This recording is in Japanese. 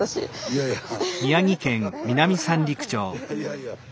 いやいやいや。